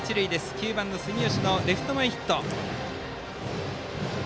９番、住石のレフト前ヒット。